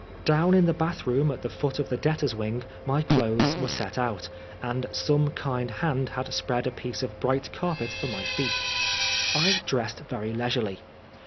Down in the bathroom at the foot of the debtors' wing my clothes were set out, and some kind hand had spread a piece of bright carpet for my feet. I dressed very leisurely.